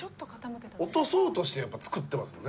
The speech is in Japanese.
落とそうとして作ってますもんね